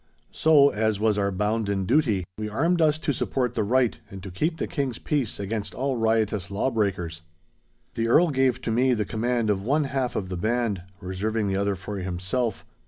So, as was our bounden duty, we armed us to support the right and to keep the King's peace against all riotous law breakers. The Earl gave to me the command of one half of the band, reserving the other for himself.